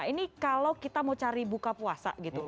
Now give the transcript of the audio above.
ini kalau kita mau cari buka puasa gitu